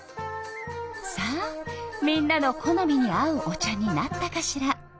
さあみんなの好みに合うお茶になったかしら？